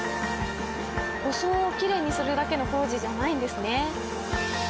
装をきれいにするだけの工事じゃないんですね。